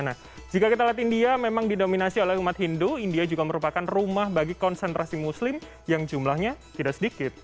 nah jika kita lihat india memang didominasi oleh umat hindu india juga merupakan rumah bagi konsentrasi muslim yang jumlahnya tidak sedikit